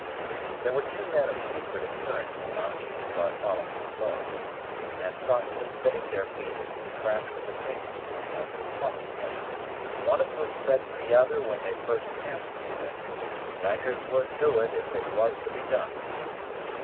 There were two men of secret appearance lounging in Bartholomew Close, and thoughtfully fitting their feet into the cracks of the pavement as they talked together, one of whom said to the other when they first passed me, that "Jaggers would do it if it was to be done."